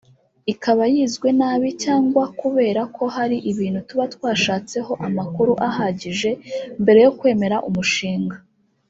Ikaba yizwe nabi cyangwa kubera ko hari ibintu tuba twashatseho amakuru ahagije mbere yo kwemera umushinga